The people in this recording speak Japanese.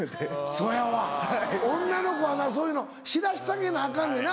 そやわ女の子はなそういうの知らせてあげなアカンねんな。